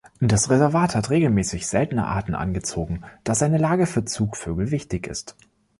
Das Reservat hat regelmäßig seltene Arten angezogen, da seine Lage für Zugvögel wichtig ist.